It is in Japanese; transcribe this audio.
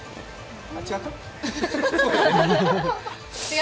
違った？